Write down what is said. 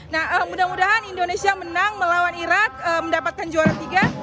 nah mudah mudahan indonesia menang melawan irak mendapatkan juara tiga